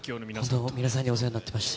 本当に皆さんにお世話になっていました。